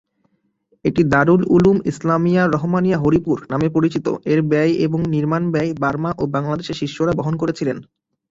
এটি "দারুল উলুম ইসলামিয়া রহমানিয়া হরিপুর" নামে পরিচিত, এর ব্যয় এবং নির্মাণ ব্যয় বার্মা ও বাংলাদেশের শিষ্যরা বহন করেছিলেন।